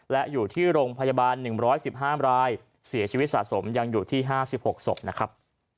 และอยู่ที่โรงพยาบาล๑๑๕รายเสียชีวิตสะสมยังอยู่ที่๕๖ศพนะครับ